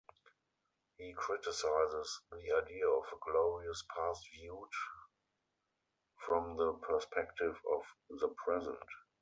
He criticizes the idea of a glorious past viewed from the perspective of the present.